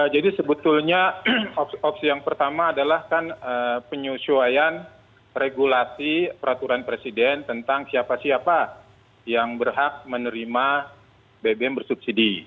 jadi sebetulnya opsi yang pertama adalah kan penyusuaian regulasi peraturan presiden tentang siapa siapa yang berhak menerima bbm bersubsidi